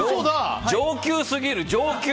上級すぎる！